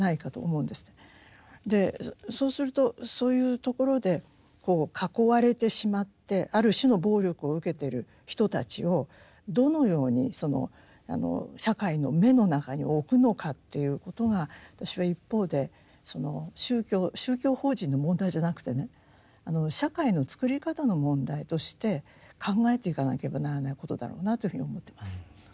そうするとそういうところで囲われてしまってある種の暴力を受けている人たちをどのように社会の目の中に置くのかということが私は一方でその宗教宗教法人の問題じゃなくてね社会のつくり方の問題として考えていかなければならないことだろうなというふうに思ってます。